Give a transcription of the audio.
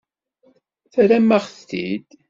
Terram-aɣ-t-id.